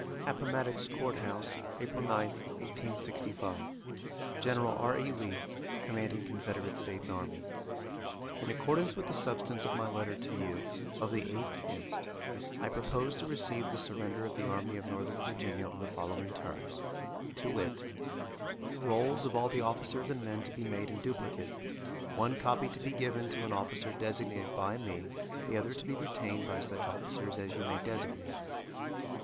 APPOMATTOX COURT HOUSE, APRIL 9, 1865. General R. E. Lee, Commanding Confederate States Army: In accordance with the substance of my letter to you of the 8th inst., I propose to receive the surrender of the Army of Northern Virginia on the following terms, to wit: Rolls of all the officers and men to be made in duplicate, one copy to be given to an officer designated by me, the other to be retained by such officers as you may designate.